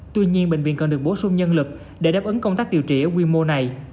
tuy nhiên bệnh viện cần được bổ sung nhân lực để đáp ứng công tác điều trị ở quy mô này